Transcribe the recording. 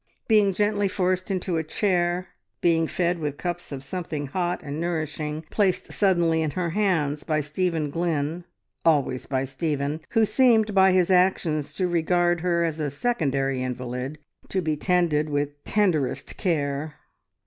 Being gently forced into a chair; being fed with cups of something hot and nourishing, placed suddenly in her hands by Stephen Glynn, always by Stephen, who seemed by his actions to regard her as a secondary invalid, to be tended with tenderest care.